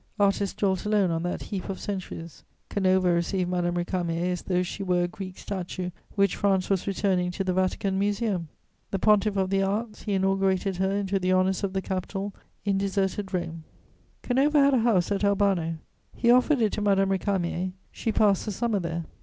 Artists dwelt alone on that heap of centuries. Canova received Madame Récamier as though she were a Greek statue which France was returning to the Vatican Museum: the pontiff of the arts, he inaugurated her into the honours of the Capitol in deserted Rome. [Sidenote: Antonio Canova.] Canova had a house at Albano; he offered it to Madame Récamier; she passed the summer there.